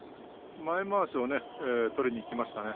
前まわしを取りにいきましたね。